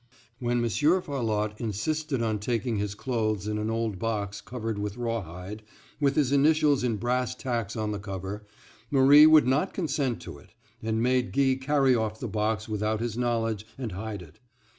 When Monsieur Farlotte insisted on taking his clothes in an old box covered with rawhide, with his initials in brass tacks on the cover, Marie would not consent to it, and made Guy carry off the box without his knowledge and hide it.